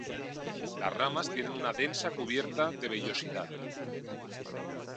Las ramas tienen una densa cubierta de vellosidad.